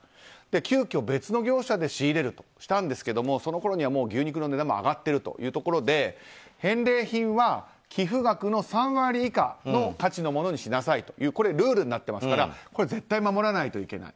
急きょ別の業者で仕入れることにしたんですがそのころには牛肉の値段も上がっているというところで返礼品は寄付額の３割以下の価値のものにしなさいというルールになってますから絶対守らないといけない。